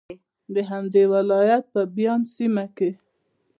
د همدې ولایت په بایان سیمه کې